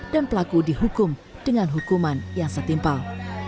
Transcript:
pelaku dihukum dengan hukuman yang setimpal